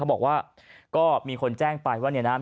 เขาบอกว่าก็มีคนแจ้งไปว่า